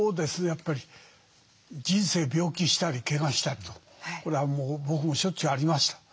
やっぱり人生病気したりけがしたりとこれは僕もしょっちゅうありました。